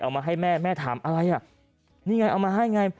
มาให้แม่แม่ถามอะไรอ่ะนี่ไงเอามาให้ไง